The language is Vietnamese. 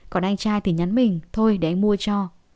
còn anh trai thì nhắn mình thôi để anh mua cho